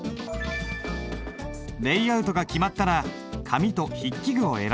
レイアウトが決まったら紙と筆記具を選ぶ。